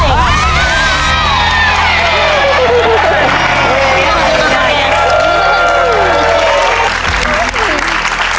ขอบคุณครับค่ะ